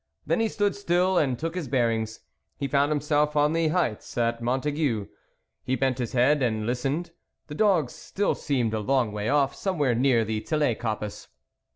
Then he stood still and took his bearings ; he found himself on the heights at Mon taigu. He bent his head and listened the dogs still seemed a long way off, somewhere near the Tillet coppice.